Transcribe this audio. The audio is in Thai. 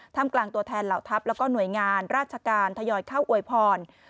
มกลางตัวแทนเหล่าทัพแล้วก็หน่วยงานราชการทยอยเข้าอวยพร